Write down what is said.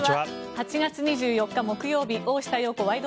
８月２４日、木曜日「大下容子ワイド！